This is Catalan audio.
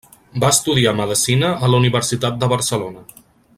Va estudiar medecina a la Universitat de Barcelona.